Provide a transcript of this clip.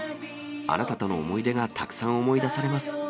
あなたとの思い出がたくさん思い出されます。